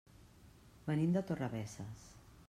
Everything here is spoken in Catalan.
Venim de Torrebesses.